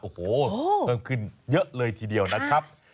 โอ้โหเพิ่มขึ้นเยอะเลยทีเดียวนะครับ